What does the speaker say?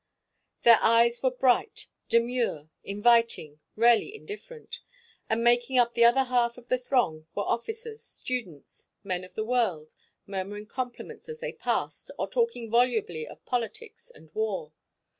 Their eyes were bright, demure, inviting, rarely indifferent; and making up the other half of the throng were officers, students, men of the world, murmuring compliments as they passed or talking volubly of politics and war.